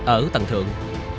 ở tầng thượng